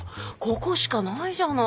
ここしかないじゃない。